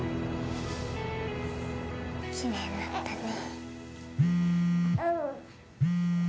きれいになったね